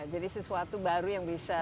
jadi sesuatu baru yang bisa